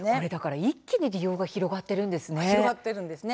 一気に利用が広がっているんですね。